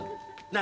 何？